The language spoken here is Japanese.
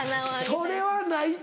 それはないって。